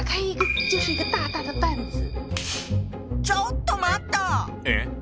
ちょっと待った！え？